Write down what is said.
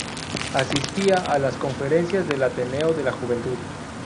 Asistía a las conferencias del Ateneo de la Juventud.